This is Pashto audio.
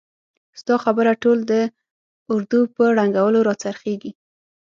ستا خبره ټول د اردو په ړنګولو را څرخیږي!